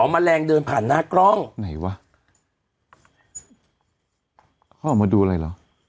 แมลงเดินผ่านหน้ากล้องไหนวะเขาออกมาดูอะไรเหรอ